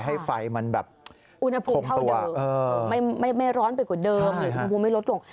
ให้ไฟมันแบบอุณหภูมิเท่าเดิมไม่ร้อนไปกว่าเดิมหรืออุณหภูมิไม่ลดลง